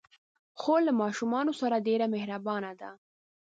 خور له ماشومانو سره ډېر مهربانه ده.